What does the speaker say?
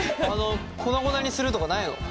粉々にするとかないの？